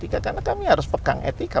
karena kami harus pegang etika